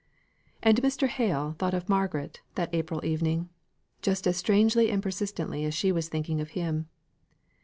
And Mr. Hale thought of Margaret, that April evening, just as strangely and as persistently as she was thinking of him.